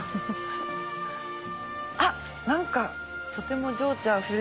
あっ何かとても情緒あふれる。